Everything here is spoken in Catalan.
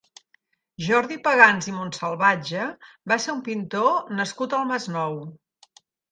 Jordi Pagans i Monsalvatje va ser un pintor nascut al Masnou.